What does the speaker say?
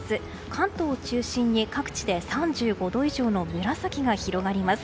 関東を中心に各地で３５度以上の紫が広がります。